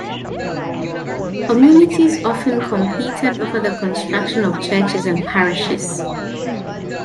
Communities often competed over the construction of churches and parishes.